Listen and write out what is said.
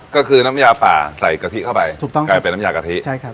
ก็คือน้ำยาป่าใส่กะทิเข้าไปถูกต้องกลายเป็นน้ำยากะทิใช่ครับ